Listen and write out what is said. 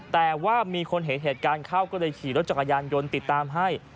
แต่ว่ามีคนเห็นเหตุการณ์เข้าก็เลยขี่รถจักรยานยนต์ติดตามให้